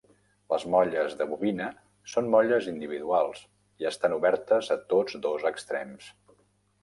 Les molles de bobina són molles individuals i estan obertes a tots dos extrems.